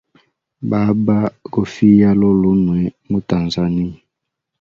Baba gofiya lolulunwe mu tanzania.